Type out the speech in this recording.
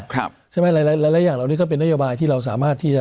ใช่ไหมหลายหลายอย่างเหล่านี้ก็เป็นนโยบายที่เราสามารถที่จะ